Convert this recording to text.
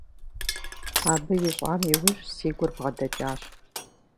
Абы ищӏам иужь си гур бгъэдэкӏащ.